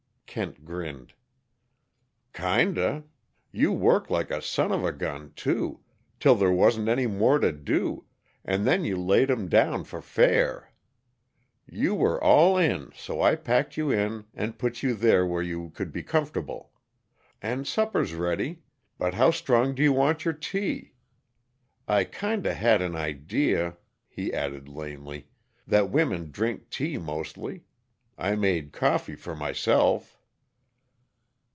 Kent grinned. "Kinda. You worked like a son of a gun, too till there wasn't any more to do, and then you laid 'em down for fair. You were all in, so I packed you in and put you there where you could be comfortable. And supper's ready but how strong do you want your tea? I kinda had an idea," he added lamely, "that women drink tea, mostly. I made coffee for myself."